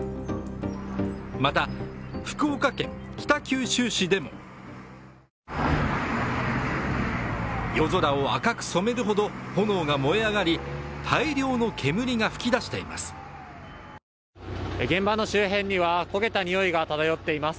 また、福岡県北九州市でも夜空を赤く染めるほど炎が燃え上がり大量の煙が噴き出しています。